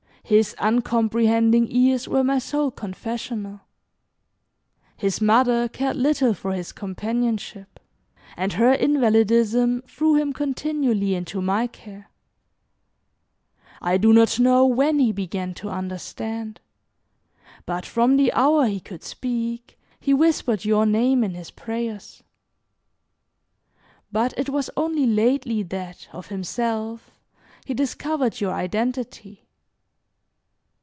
His uncomprehending ears were my sole confessional. His mother cared little for his companionship, and her invalidism threw him continually into my care. I do not know when he began to understand, but from the hour he could speak he whispered your name in his prayers. But it was only lately that, of himself, he discovered your identity.